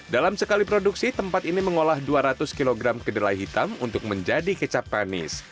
dalam sekali produksi tempat ini mengolah dua ratus kg kedelai hitam untuk menjadi kecap manis